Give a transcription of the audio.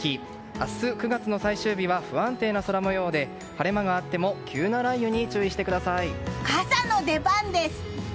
明日、９月の最終日は不安定な空模様で晴れ間があっても急な雷雨に注意してください。